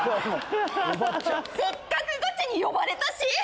せっかくゴチに呼ばれたし。